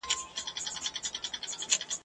خوږېدی به یې له درده هر یو غړی ..